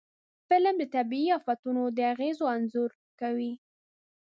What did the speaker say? فلم د طبعي آفتونو د اغېزو انځور کوي